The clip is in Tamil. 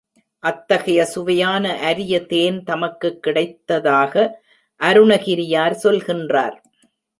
அத்தகைய சுவையான அரிய தேன் தமக்குக் கிடைத்ததாக அருணகிரியார் சொல்கின்றார்.